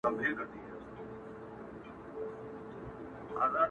هغې ته غرونه واوري او فضا ټول د خپل غم برخه ښکاري,